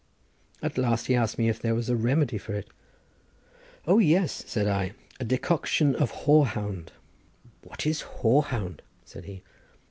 At last he asked me if there was a remedy for it. "O yes," said I; "a decoction of hoarhound." "What is hoarhound?" said he.